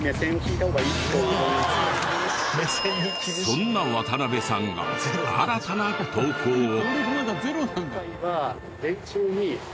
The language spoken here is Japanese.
そんな渡邉さんが新たな投稿を。